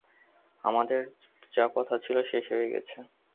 আমাদের যা কথা ছিল শেষ হয়ে গেছে।